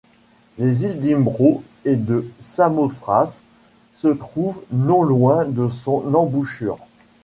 Les îles d'Imbros et de Samothrace se trouvent non loin de son embouchure.